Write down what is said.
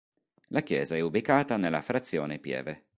La chiesa è ubicata nella frazione Pieve.